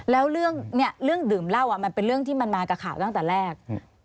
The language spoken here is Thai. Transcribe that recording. แล้วเรื่องเนี่ยเรื่องดื่มเหล้ามันเป็นเรื่องที่มันมากับข่าวตั้งแต่แรก